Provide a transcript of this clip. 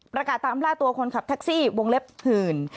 ประกาศตามล่าตัวคนขับแท็กซี่วงเล็บหื่น